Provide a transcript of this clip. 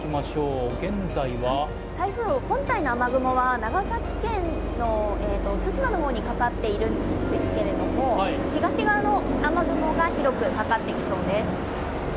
台風本体は長崎県の対馬の方にかかっているんですけれども、東側の雨雲が広くかかってきそうです。